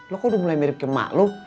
lu kok udah mulai mirip ke emak lu